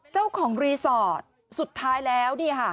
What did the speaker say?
เจ้าของรีสอร์ทสุดท้ายแล้ว